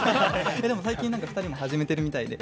最近、２人とも始めてるみたいで。